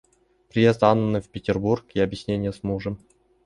Приезд Анны в Петербург и объяснение с мужем.